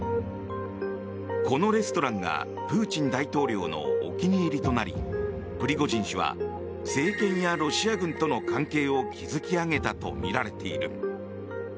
このレストランがプーチン大統領のお気に入りとなりプリゴジン氏は政権やロシア軍との関係を築き上げたとみられている。